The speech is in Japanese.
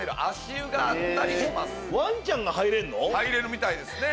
入れるみたいですね。